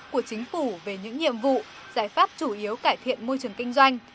của chính phủ về những nhiệm vụ giải pháp chủ yếu cải thiện môi trường kinh doanh